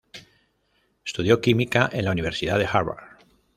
Estudió química en la universidad de Harvard.